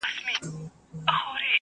خو یو بل وصیت هم سپي دی راته کړی،